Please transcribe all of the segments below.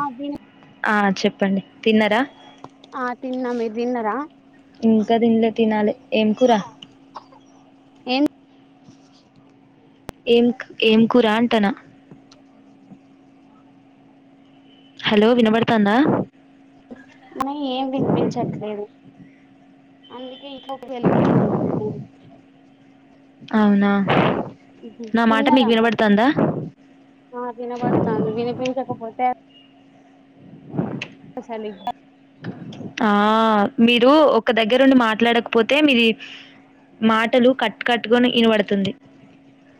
ఆ విని ఆ చెప్పండి తిన్నర ఆ తిన్నా మీరు తిన్నరా ఇంకా దిన్లే తినాలి ఏం కూర ఏన్ ఏం ఏం కూరా అంటనా హలో వినబడతాందా అ ఏం వినిపించట్లేదు అందుకే ఇంట్లోకి వెళ్ళిపోతున్నాను నేను అవునా నా మాట తిన్నరా మీకు మరి వినబడుతందా ఆ వినబడుతాంద్ వినిపించట్ బతే అసలి ఆ మీరు ఒక దగ్గరుండి మాట్లాడకపోతే మీది మాటలు కట్ కట్ గా ఇనబడుతుంది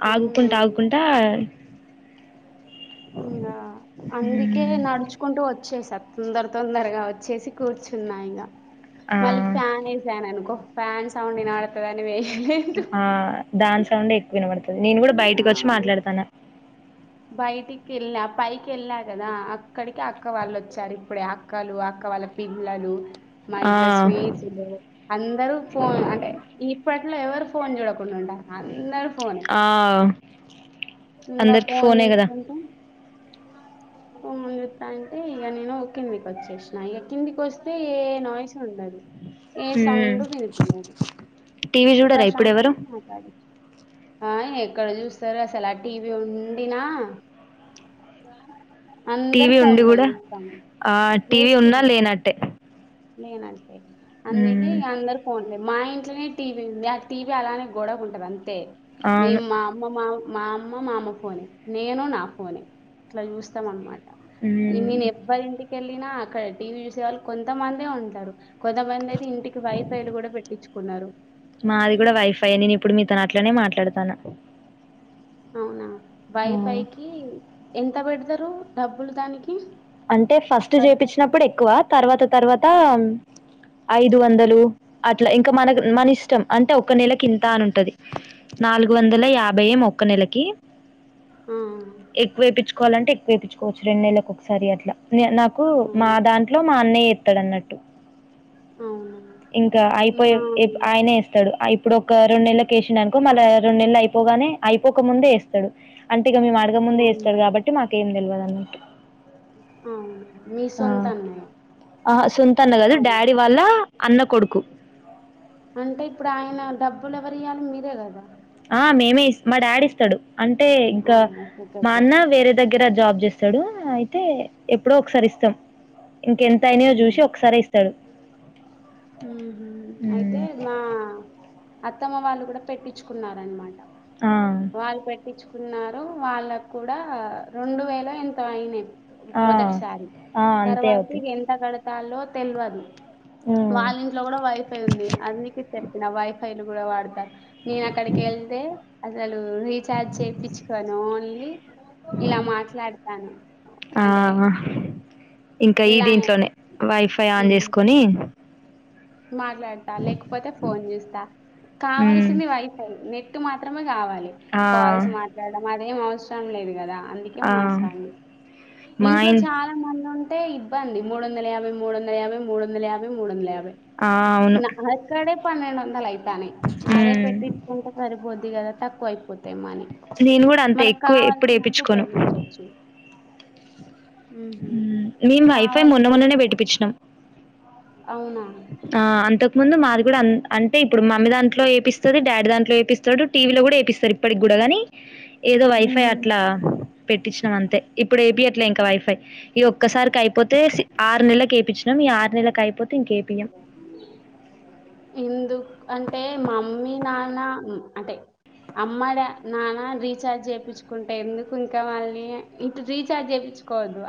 అవునా ఆగుకుంటా ఆగుకుంటా ఇంగ అందుకే మ్ నడుచుకుంటూ వచ్చేస తొందర తొందరగా వచ్చేసి కూర్చున్నా ఇంగ ఆ మళ్ళి ఫ్యానేసననుకో ఫ్యాన్ సౌండ్ ఇనబటతదని వెయ్యలేదు ఆ దాని సౌండే ఎక్కువ వినబడుతది నేను కూడా బైటికొచ్చి మాట్లాడతన్న బయటికి ఎళ్ళ పైకి ఎళ్ళా కదా అక్కడికి అక్క వాళ్ళు వచ్చారు ఇప్పుడే అక్కలు అక్క వాళ్ళ పిల్లలు మా ఆ ఇద్దరు స్నేహితులు అందరూ ఫోన్ అంటే ఇప్పటి ఎవరు ఫోన్ చూడకు ంటరు అందరు ఫోనే ఆ ఇ అందరికి అపో ఫోనే కదా చూసుకుంటా ఓ ముందుస్తా అంటే ఇక నేను కిందికి వచ్చేసినా ఇక కిందికి వస్తే ఏ నాయిస్ ఉండదు ఏ సౌం మ్ విలుగియదు టీవీ సు చూడరా ఇప్పుడు ఎవరు ప్ర్రశాంతంగా మాట్లాడిచూ ఆ ఆయన ఎక్కడ చూస్తారు అసలా టీవీ ఉంనా టీవీ ఉండి కూడా ఆ టీవీ ఉన్నా లేనట్టే నేనండి అందుకి ఉమ్ అందరు పోన్లే మా ఇంట్నే టీవీ నాకు టీవీ అలానే గోడవకు ఉంటంది అంత మీ అవును మా అమ్మ మా మా అమ్మ మా అమ్మ ఫోనే నేను నా ఫోనే అట్లా చూస్తాం అన్నమాట ఈ ఉమ్ మీన్ ఎబ్బ ఇంటికిలా అక్కడ టీవీ విషయావాలు కొంత కొంత మందే ఉంటారు కొంతమంది అయితే ఇంటికి వైఫైలు కూడా పెట్టించుకున్నారు ఇట్లనే మాట్లాడతాను అవునా వైఫైకిి ఎంత ఎంత పెడతారు డబ్బులు దానికి అంటే ఫస్ట్ కడతారు చేపించినప్పుడు ఎక్కువ తర్వాత తర్వాత ఐదు వందలు ట్ ఇంకా మనకు మన ఇష్టం అంటే ఒక్క నెలకి ఇంత అనింటది నాలుగు వందల యాభై మొక్క నెలకి అవును ఎక్కువ వేయిచ్చుకోవాలంటే ఎక్ వేపించువచ్చు రెండ నళ్లలకు సర అట్లా న నా కు మా దాంట్లో మా అన్నయ్యత్ తడన్నట్టు అవును ఇంకా అయిపోయ మా ఆయనే ఇస్తాడు ఇప్పుడు ఒక రెండు నెల వేసినానుకో మళ్ళ రెండు నెలలు అయిపోగానే అయిపోక ముందే వేస్తాడు అంటే మీ మాడగ అవును ముందేస్తారు కాబట్టి మాకేం తెలియదు అక అవునా మీ ఆ సొంత అన్నయ్య ఆ సుంతన్న గదు కాదు డాడీ వాళ్ళ అన్న కొడుకు అంటే ఇప్పుడు ఆయన డబ్బులు ఎవరు ఇయాలి మీరే కదా, ఆ మేమే మా డాడస్త అంటే ఆ ఇంకా ఓకే మా ఓకే అన్న వేరే దగ్గర జాబ్ చేస్త ఇస్తాడు అయితే ఎప్పుడో ఒకసారి ఇస్తాం ఇంకెంత అయినయో చూసి ఒకసారి ఇస్తాడు హ అయితే హ్మ్ మా అత్తమ్మ వాళ్ళు కూడా పెట్టించుకున్నార అనమాట ఆ వాళ్ళు పెట్టించుకున్నారు వాళ్ళకు కూడా రెండు వేలు ఎంత అయిన ఆ మొదటిసారి ఆ అంతే తర్వాత అవుతయి. ఇక ఎంత కడు తాలో తెలివదు హ్మ్ వాళ్ళ ఇంట్లో కూడా వైఫై ఉంది అది నీకు చెప్పిన వైఫై కుడా వాడు నేను అక్కడకిళ్దే అద రీచార్జ్ చేయించుకోను ఓన్లీ ఇలా మాట్లాడతాను అంటే ఆ ఇంకా ఈ ఇలానే దీంట్లోనే వైఫై ఆన్ హ్మ్. చేసుకొని మాట్లాడతా లేకపోతే ఫోన్ చూస్తా మ్మ్. కావాల్సింది. వైఫై నెట్ మాత్రమే కావాలి ఆ, కాల్స్ మాట్లాడడం, అదేం అవస రం లేదు కదా అందుకే ఆ, మాట్లాడు, మా ఇంట్లో ఇన్ చాలా మంది ఉన్న అ ఇబ్బంది మూడు వంద యాభై, మూడు వంద యాభై, మూడు వంద యాభై మూడు వందల యాభై, ఆ, అవును నాక్కడ పన్నెండువందలు, అ ని అదే మ్మ్. పెట్టించుకుంటే పరిపోద్ది కదా తక్కువైపోత తెమ్మని నేను కూడా అంత మనకు ఎక్కువ ఎప్పుడు కావాల్సినందుకు వేయించుకోను ఉపయోగించవచ్చు. మ్మ్హ. మేము వైఫై మొన్న, కావాల్సినంత మొన్ననే ఉపయోగి- పెట్టిపచ్చినాం అవునా ఆ అంతకు ముందు మాది కూడా అ అ ఇపుడు మమ్మీ దాంట్లో ఏపిస్తుంది డాడీ దాంట్లో ఏ పిస్తాడు టీవీలో కూడా ఏపిస్తారు ఇప్పటికి కూడా కానీ ఏదో వైఫై ఉహు అట్లా పెట్టించినం అంతే ఇప్పుడు ఏపీ అట్లే ఇంకా వైఫై ఈ ఒక్కసారికి అయిపోతే సి ఆరు నెలకి ఏపిచ్ డం ఈ ఆరు నెలకు అయిపోత్ తిం కేేపియాం ఎందు అంటే మమ్మీ నాన్న అంటే అమ్మ నాన్న రీచార్జ్ చేయించుకుంటే ఎందుకు ఇంక మళ్ళీ ఇటు రీచార్జ్ చేయించుకోవద్దు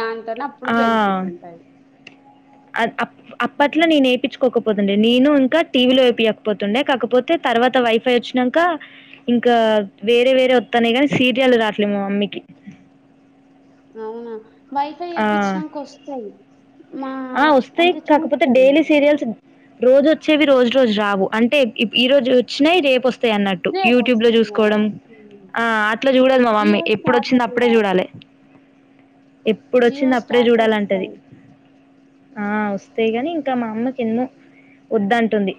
దాని టనీ అప్పుడు బెనిఫిట్ ఉంటాది అ [unintelligible] అప్పట్లో నేనేేయిించుకోకపో తుండే నేను ఇంకా టీవీలో అయిపోయకపోతుండే కాకపోతే తర్వాత వైఫై వచ్చినాక ఇంకా వేరే వేరే వస్తానే కానీ సీరియల్ రాట్లేదు మా మమ్మీకి అవునా వైఫై ఆ వేపించినాకా వస్తాయి ఆ వస్తాయి్ కాకపోతే డైలీ సీరియల్స్ రోజు వచ్చేవి రోజు రోజు రావు అంటే ఈ రోజు వచ్చినాయి రేపు వస్ అన్నట్టు యూట్యూబ్ లో రేపొస్తాయి గదా! చూసుకోవడం హ్మ్. ఆ అట్లా చూడదు మా మమ్మీ జియో స్టార్‌లో ఎప్పుడుొచ్చింది అప్పుడే జూడాలా. చూడాలి జియో ఎప్పుడుొచ్చింది అప్పుడే స్టార్‌లో చూడాలంటది ఒస్తాయి. ఆ వస్తాయి గాని ఇంకా మా అమ్మకి ఎన్నో వద్దంటుంది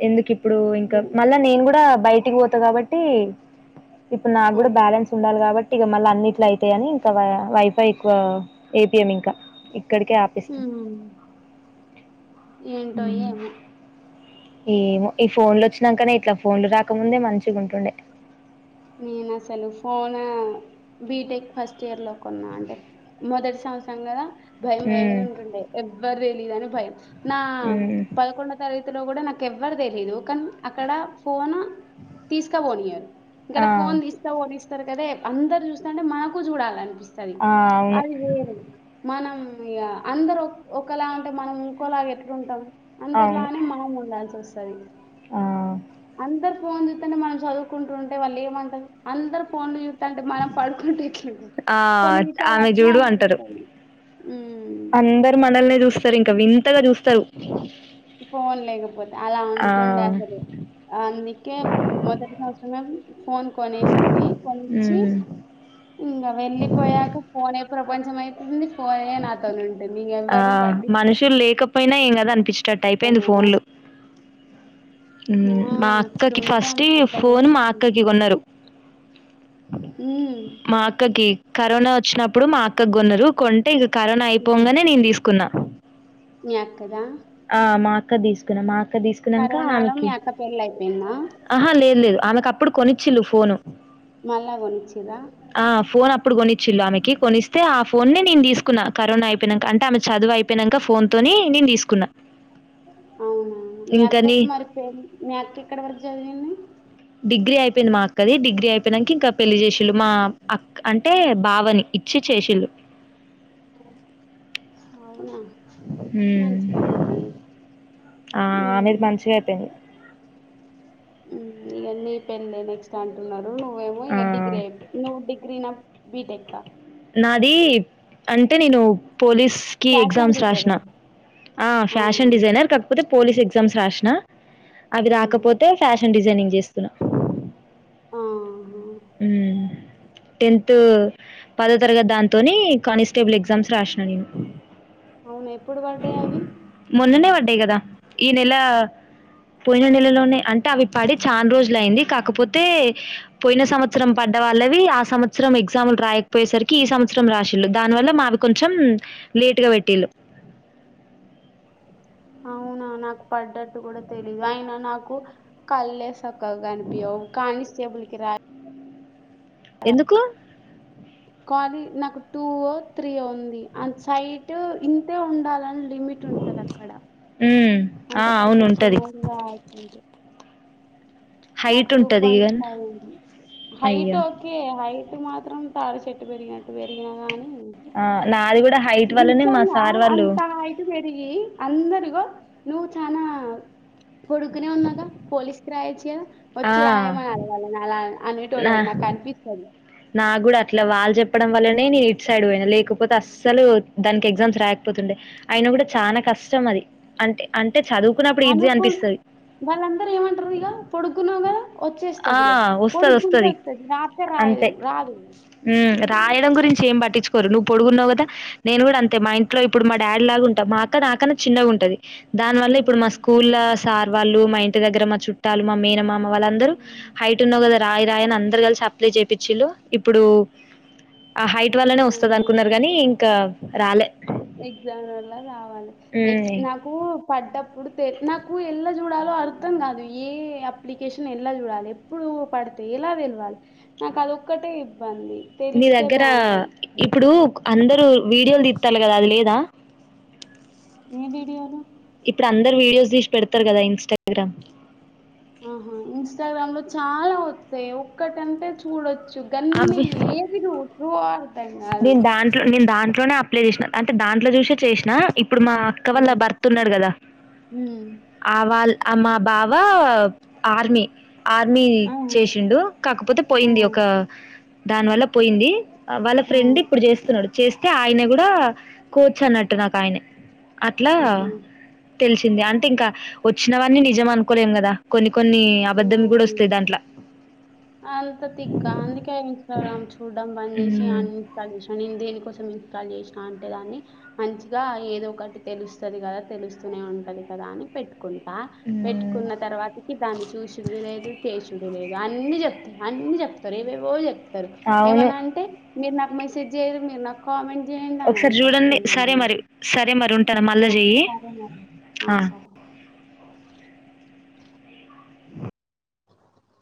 హ్మ్. ఎందుకు ఇప్పుడు ఇంకా హ్మ్. మళ్ళా నేను కూడా బయటికి పోతా కాబట్టి ఇప్పుడు నాకు కూడా అవునా! బ్యాలెన్స్ ఉండాలి కాబట్ ఇక మళ్ళీ అన్నిట్లో అయితాయని ఇంకా వైఫ్ ఎక్కువ ఏపీఎం ఇంకా ఇక్కడికే ఆపిస్ హు ఏంటోయ ఏమో ఏమో ఈ ఫోన్ లు వచ్చినాకనే ఇట్లా ఫోన్లు రాకముందే మంచిగా ఉంటుండే నేను అసలు ఫోన్ బీటెక్ ఫస్ట్ ఇయర్ లో కొన్నా అంటే మొదటి సంవత్సరం కదా భయం భయంగా ఉమ్ ఉంటుండే ఎవ్వరు తెలీదుని భయం నా ఉమ్ పదకొండో తరగతిలో కూడా నాక్ ఎవ్వరు తెలియదు కానీ అక్కడ ఫోన్ తీసుక పోనియ్యారు ఆ ఇక్కడ ఫోన్ తీస్తా ఓడిస్తారు కదే అందరు చూస్తంటే మనకు చూడాలి అనిపిస్ సది ఆ అవును అది వేరు మనం ఇక అందరు ఒకలా అంటే మనం ఇంకోలాగ ఎట్లు ఉంటాం అందర్ అవును లానే మనం ఉండాల్సి వస్ సరీ ఆ అందర్ ఫోన్ చూతంటే మనం చదువుకుంటుండే టే వాళ్ళు ఏమంటరు అందరు ఫోన్లు తంటే మనం పడుకుంటే ఎట్లుంటది ఆ కొన్ని విషయాలు ఆమె అట్నే చూడు అంటారు అనిపిస్తాయి ఇంక వింతగా చూస్తారు ఫోన్ లేకపోతే అలా ఉంటుండే ఆ అసలు అందుకే మొదటి సంవత్సర ఐ లవ్ యూ ఫోన్ కొనేసింది కొనిచ్చి హ్మ్ ఇంగ వెళ్ళిపోయాక ఫోనే ప్రపంచం అయితుంది ఫోనే నాతోనుంటే మీ ఎవ్వర్ని పట్టించుకో పోయినా ఏం గాదూ అనిపిష్ టట్టు అయిపోయింది ఫోన్లు అమ్ ఆ మా అక్కకి అట్లుంటాం ఫస్ట్ ఇ‌ అట్లా ఫోన్ మా చేస్తాం అక్కకి కొన్నారు హ్మ్. మా అక్కకి కరోనా వచ్చిన నప్పుడు మా అక్క గొన్నరు కొం టే ఇగ కరోనా హ్మ్. అయిపొంగానే నేను తీసుకున్నా మీ అక్కదా క్కదిస్ తుని మా అక్క దీసుకున్నాక ఆ కరోనాలో మీ అక్క పెళ్ళి అయిపోయిందా ఆహా లేదు లేదు ఆమెకప్పుడు కొనిచిల్లు ఫోను మళ్ళా కొనిచ్చిరా ఆ ఫోన్ అప్పుడు కొనిచ్చిళు ఆమెకి కొనిస్తే ఆ ఫో ఫోన్ని నేను తీసుకున్నా కరోనా అయిపోనాక అంటే ఆమె చదువు అయిపోయినాక ఫోన్తోని నేను తీసుకున్నా అవునా మీ ఇంకని అక్కకు మరి మీ అక్క ఎక్కడ వరకు చదివింది డిగ్రీ అయిపోయింది మా అక్కది డిగ్రీ అయిపోయినంకా ఇంకా పెళ్ళి చేషిళ్ళు మా అక్క అంటే బావని ఇచ్చి చేషిళ్ళు అవునా హుమ్మ్ మంచిగా అండి ఆ ఉమ్ ఆమెది మంచిగా అయిపోయింది ఉమ్ ఇగ నీ పెళ్ళే నెక్స్ట్ అంటున్నారు నువ్వేమో ఆ ఇగ డిగ్రీ అయి నువ్వు డిగ్రీ నా బీటెక్ ఆ నాది అంటే నేను పోలీస్ కి ఫ్యాషన్ ఎగ్జామ్స్ డిజైన్ రాషిన ఆ అవునా ఫ్యాషన్ డిజైనర్ కాకపోతే పోలీస్ ఎగ్జామ్స్ రాషిన అవి ఉమ్ రాకపోతే ఫ్యాషన్ డిజై జనింగ్ చేస్తున్నా ఆ ఉమ్ టెన్త్ పదో తరగతి దాంతోని కానిస్టేబుల్ ఎగ్జామ్స్ రాసిన నేను అవును ఎప్పుడు పర్డే అవి మొన్ననే పడ్డాయి కదా ఈ నెల పోయిన నెలలోనే అంటే అవి పాడి చాలా రోజుల అయింది కాకపోతే పోయిన సంవత్సరం పడ్డ వాళ్ళవి ఆ సంవత్సరం ఎగ్జాములు రాయకపోయేసరికి ఈ సంవత్సరం రాసిళ్ళు దానివల్ల మావి కొంచెం లేట్గా పెట్టేళ్ళు అవునా నాకు పడ్డట్టు కూడా తెలీదు అయిన నాకు కళ్ళ సక్కగా కనిపియావ్ కానిస్టేబుల్ కి రా ఎందుకు కాలీ నాకు టూ త్రీ ఉంది అన్సైట్ ఇంతే ఉండాల లిమిట్ ఉంటది అక్కడ హ్మ్. ఆ! అంతే కాస్త అవును ఉంటది. ఎక్కువనే రా నాకు హైట్ టూ ఉంటది పాయింట్ ఈవెన్ ఫైవ్ అడి హైట్ అయ్యో! ఓకే హైట్ ఇట్ మాత్రం తార చెట్టు పెరిగినట్టు పెరిగినా గాని ఆ నాది కూడా హైట్ వాళ్లనే మా సార్ వాళ్ళు అంత హైట్ పెరిగి అందరిగో నువ్వు చనా కొడుకునే ఉన్నాగా పోలీస్ కి రారాయచ్చ ఆ! వచ్చి రాయమని అడవళ్ళ అలా అని ల నాకు కనిపిస్తుంది నా కూడా అట్లా వాళ్ళు చెప్పడం వల్లనే నేను ఇట్ సైడ్ పోయినా లేకపోతే అస్సలు దానికి ఎగ్జామ్స్ రాకపోతుండే అయన కూడా చాలా కష్టం అది అంటే అంటే చదువుకున్నప్పుడు ఈజీ అనుకు అనిపిస్తది. వాళ్ళందరూ ఏమంటారు ఇక పొడుకున్నాగా ఆ వచ్చేస్తుది లే వస్తది పొడుకుంటే వస్తది వస్తుంది రాత్రే అంతే రాయదు రాయడం గురించి చేంబటి రు నువ్వు పొడుకున్నావు కదా నేను కూడా అంతే మా ఇంట్లో ఇప్పుడు మా డాడీ లాగా ఉంటాం మా అక్క నాకన్నా చిన్నగా ఉంటది దాని వల్ల ఇప్పుడు మా ఉమ్, స్కూల్ సార్ వాళ్ళు మా ఇంటి దగ్గర మా చుట్టాలు మా మీేనమ్మా వాళ్ళందరూ ఉమ్, హైట్ ఉన్నావు కదా రాయి రాయన్ అందరుగాలి సప్లై చేయించ చ్చిలో ఇప్పుడు ఆ హైట్ వల్లనే వస్తుంది అవును అనుకున్నారు కానీం కావ ఎగ్జామ్ వల్లా రావాలి ఎ ఉమ్ నాకు ప అప్పుడు తె నాకు ఎలా చూడాలో అర్థం కాదు ఏ అప్లికేషన్ ఎలా చూడాలి ఎప్పుడు పడితే ఎలా తెలవాలి నాకు అది ఒక్కటే పాంధి నీ పిలిస్తే దగ్గర బాగుండాల ఇప్పుడు అందరూ వీడియోలు తిట్టాలి కదా అది లేదా ఏం బడివరు ఇప్పుడు అందరు వీడియోస్ తీసి పెడతారు కదా ఇన్స్టాగ్రామ్ ఆహా ఇన్స్టాగ్రామ్ లో చాలా వస్తాయి ఒక్కటంటే చూడొచ్చు చగన్ని అవి ఏ విధ చూ తెంగాారు నేను దాంట్లో నేను దాంట్లోనే అప్లై చేసినా అంటే దాంట్లో చూసే చేసినా ఇప్పుడు మా అక్క వల్ళ హ్మ్. భర్తున్నారు కదా హ్మ్. ఆ వాళ అమ్ మా బావా ఆర్మి ఆర్మీ అవును. చేసిండు కాకపోతే ఆ! పోయింది ఒక దాని వల్ల పోయింది వాళ్ళ ఆ! ఫ్రెండ్ ఇప్పుడు చేస్తున్నాడు చేస్తే ఆయన కూడా కోచు అన్నట్టు నాకు ఆయనే అట్లా ఆహా! తెలిసింది అంటే ఇంకా వచ్చినవని నిజం అనుకోలేం కదా కొన్ని కొన్ని అబద్ధం కూడా హ్మ్. వస్తాయి దాంట్లో అంత తిక్క అందుక ఇన్స్టాగ్రా చూడ్డం బంద్ చేసి ఉమ్, అని తగసాను నేను దేనికోసం చేసిన అంటే దాన్ని మంచిగా ఏదో ఒకటి తెలుస్తుంది కదా తెలుస్తూనే ఉంటది కదా అని పెట్టు పెటుకుంటా ఉమ్, పెట్టుకున్న తర్వాతకి దాన్ని చూసింది లేదు చేసి దు అన్ని చె మన్న చెప్పత రేచెత అవును ఏమనా అంటే మీరు నాకు మై జ మీర్ కామెంట్ చేయండి అని ఒకసారి అంటారు చూడండి కింద సరే మళ్ళ మరి సరే మరి ఉంటు ఆ సరే మేడం ఆ సరే